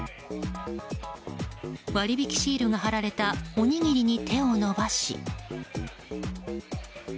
割引シールが張られたおにぎりに手を伸ばし。